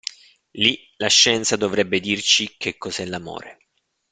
Lì la scienza dovrebbe dirci che cos'è l'amore.